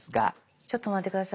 ちょっと待って下さい。